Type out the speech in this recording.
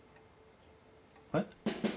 えっ？